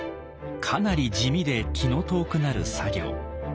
かなり地味で気の遠くなる作業。